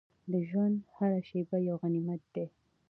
د ژوند هره شېبه یو غنیمت ده.